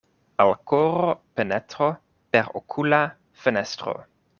Al koro penetro per okula fenestro.